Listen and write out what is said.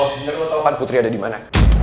kalo sebenernya lo tau kan putri ada dimana